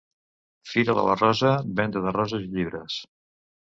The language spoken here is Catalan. Fira de la Rosa, venda de roses i llibres.